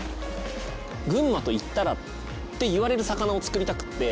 群馬といったらって言われる魚を作りたくて。